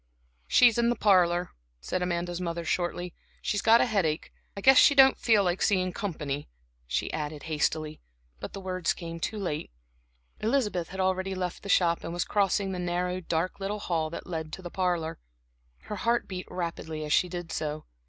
"She's in the parlor," said Amanda's mother, shortly. "She's got a headache. I guess she don't feel like seeing company," she added hastily, but the words came too late. Elizabeth had already left the shop, and was crossing the narrow, dark little hall that led to the parlor. Her heart beat rapidly as she did so.